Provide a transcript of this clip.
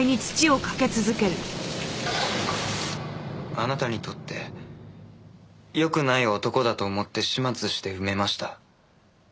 あなたにとって良くない男だと思って始末して埋めました。